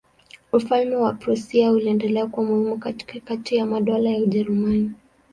Ufalme wa Prussia uliendelea kuwa muhimu kati ya madola ya Ujerumani.